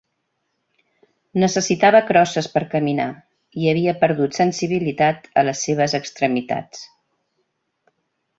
Necessitava crosses per caminar i havia perdut sensibilitat a les seves extremitats.